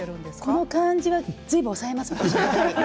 この感じはずいぶん抑えます。